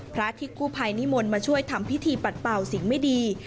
พระที่กู้ภัยนิมนต์มาช่วยทำพิธีปัดเป่าสิ่งไม่ดี